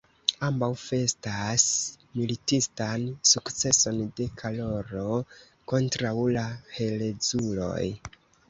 Ambaŭ festas militistan sukceson de Karolo kontraŭ la "herezuloj".